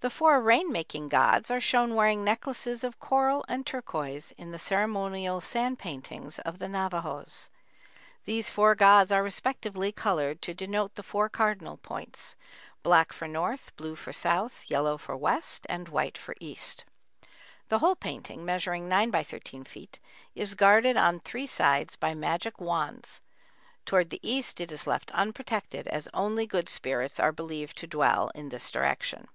The four rain making gods are shown wearing necklaces of coral and turquoise in the ceremonial sand paintings of the Navajos. These four gods are respectively colored to denote the four cardinal points; black for North, blue for South, yellow for West, and white for East. The whole painting, measuring nine by thirteen feet, is guarded on three sides by magic wands; toward the East it is left unprotected, as only good spirits are believed to dwell in this direction.